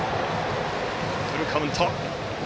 フルカウント。